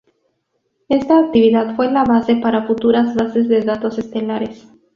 Esta actividad fue la base para futuras bases de datos estelares.